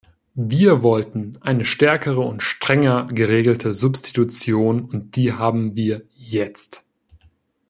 Wir wollten eine stärkere und strenger geregelte Substitution, und die haben wir jetzt.